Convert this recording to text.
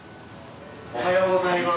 おはようございます。